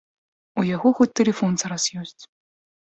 У яго хоць тэлефон зараз ёсць.